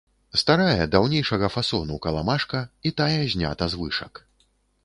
Старая, даўнейшага фасону, каламажка і тая знята з вышак.